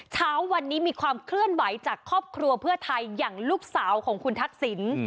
เช้าวันนี้มีความเคลื่อนไหวจากครอบครัวเพื่อไทยอย่างลูกสาวของคุณทักษิณ